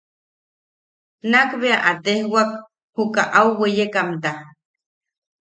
Nak bea a tejwak jukaʼa au weyemta: